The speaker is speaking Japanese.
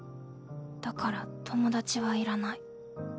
だから友達はいらない。